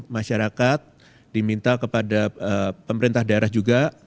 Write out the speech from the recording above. masyarakat diminta kepada pemerintah daerah juga